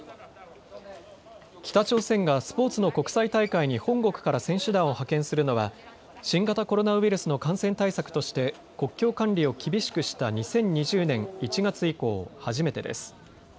北朝鮮がスポーツの国際大会に本国から選手団を派遣するのは新型コロナウイルスの感染対策として国境管理を厳しくした２０２０年１月以降、初めてです。